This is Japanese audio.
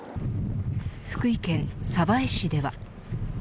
福井県鯖江市では。